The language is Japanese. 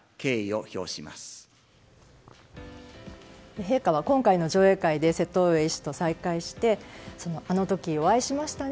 陛下は今回の上映会で瀬戸上医師と再会してあの時、お会いしましたね。